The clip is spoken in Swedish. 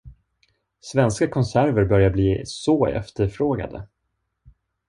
Svenska konserver börjar bli så efterfrågade.